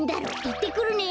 いってくるね。